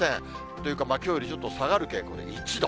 というかきょうよりちょっと下がる傾向で１度。